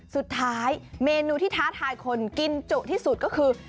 สุดท้ายเมนูที่ท้าทายคนกินจุที่สุดก็คือ